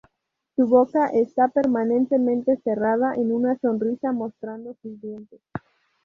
Su boca esta permanentemente cerrada en una sonrisa mostrando sus dientes.